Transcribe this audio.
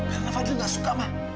karena fadil gak suka ma